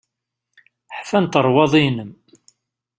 Ḥfant rrwaḍi-inem.